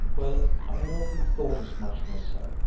Well, I had often thought as much myself.